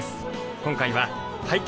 今回は「拝見！